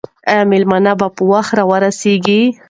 آیا مېلمانه به په وخت راورسېږي؟